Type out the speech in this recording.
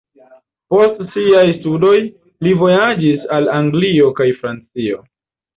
Post siaj studoj, li vojaĝis al Anglio kaj Francio.